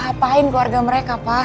apa apaan keluarga mereka pak